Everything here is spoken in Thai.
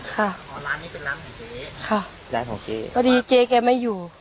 อ๋อร้านนี้เป็นร้านของเจ๊ค่ะร้านของเจ๊พอดีเจ๊แกไม่อยู่